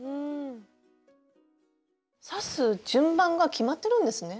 刺す順番が決まってるんですね？